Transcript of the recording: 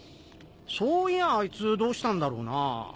そういやあいつどうしたんだろうな。